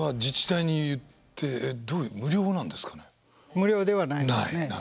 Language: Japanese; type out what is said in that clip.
無料ではないんですね。